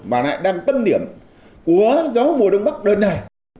mà lại đang tân điểm của gió mùa đông bắc đơn này